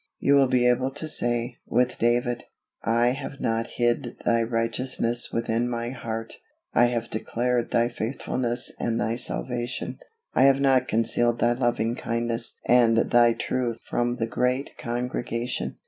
You will be able to say, with David, "I have not hid Thy righteousness within my heart; I have declared Thy faithfulness and Thy salvation: I have not concealed Thy loving kindness and Thy truth from the great congregation."